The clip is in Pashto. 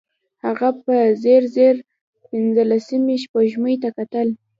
هغه په ځير ځير پينځلسمې سپوږمۍ ته کتل.